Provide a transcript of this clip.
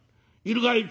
『いるかい？』